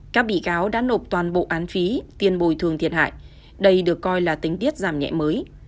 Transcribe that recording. các bị cáo đã nộp toàn bộ án phí tiền bồi thường thiệt hại đây được coi là tính tiết giảm nhẹ mới